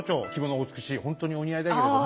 お美しいほんとにお似合いだけれども。